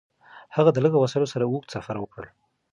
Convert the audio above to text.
هغه د لږو وسایلو سره اوږد سفر وکړ.